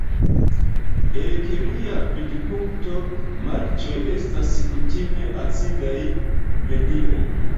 El kemia vidpunkto, marĉoj estas kutime acidaj medioj.